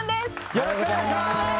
よろしくお願いします